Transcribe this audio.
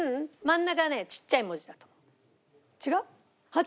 真ん中がちっちゃい文字？